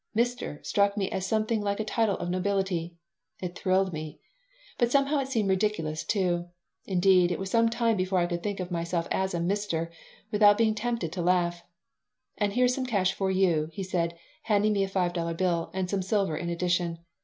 "Mister" struck me as something like a title of nobility. It thrilled me. But somehow it seemed ridiculous, too. Indeed, it was some time before I could think of myself as a "Mister" without being tempted to laugh. "And here is some cash for you," he said, handing me a five dollar bill, and some silver, in addition.